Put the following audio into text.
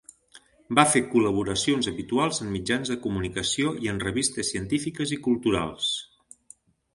Va fer col·laboracions habituals en mitjans de comunicació i en revistes científiques i culturals.